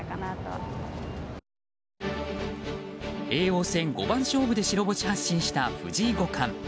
叡王戦五番勝負で白星発進した藤井五冠。